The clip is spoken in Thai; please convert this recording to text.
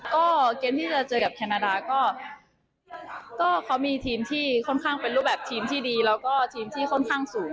ก็เกมที่จะเจอกับแคนาดาก็เขามีทีมที่ค่อนข้างเป็นรูปแบบทีมที่ดีแล้วก็ทีมที่ค่อนข้างสูง